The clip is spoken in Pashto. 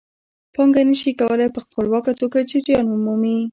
پانګه نشي کولای په خپلواکه توګه جریان ومومي